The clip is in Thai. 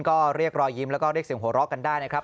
ก็เรียกรอยยิ้มแล้วก็เรียกเสียงหัวเราะกันได้นะครับ